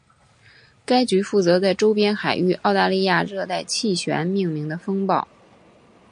该局负责在周边海域澳大利亚热带气旋命名的风暴。